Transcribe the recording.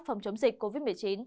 phòng chống dịch covid một mươi chín